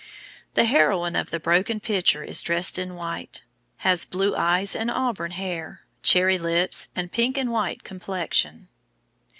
The heroine of the broken pitcher is dressed in white, has blue eyes and auburn hair, cherry lips, and pink and white complexion.